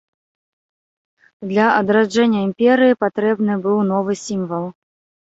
Для адраджэння імперыі патрэбны быў новы сімвал.